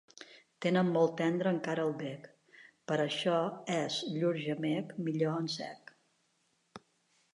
Tenen molt tendre encara el bec; per això és llur gemec, millor en sec.